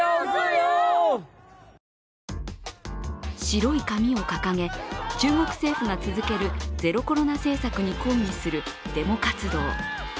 白い紙を掲げ、中国政府が続けるゼロコロナ政策に抗議するデモ活動。